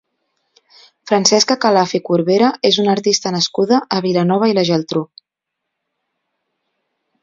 Francesca Calaf i Corbera és una artista nascuda a Vilanova i la Geltrú.